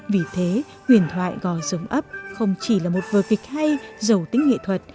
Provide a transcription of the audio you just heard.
vì thế huyền thoại gò giống ấp không chỉ là một vờ kịch hay giàu tính nghệ thuật